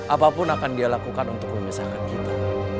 apapun akan dia lakukan untuk memisahkan kita